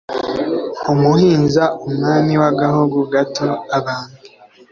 umuhinza umwami w'agahugu gato abantu